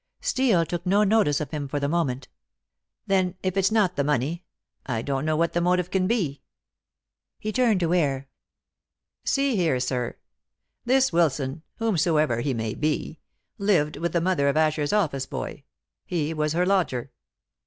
Steel took no notice of him for the moment. "Then if it's not the money I don't know what the motive can be." He turned to Ware. "See here, sir. This Wilson, whomsoever he may be, lived with the mother of Asher's office boy he was her lodger.